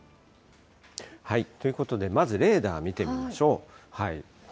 ということで、まずレーダー見てみましょう。